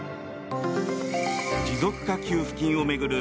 持続化給付金を巡る